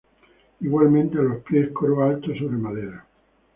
Igualmente a los pies coro alto sobre madera.